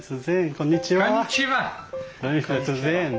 こんにちは！